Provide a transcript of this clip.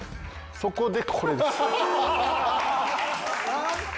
そこでこれです。